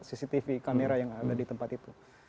cctv kamera yang ada di tempat itu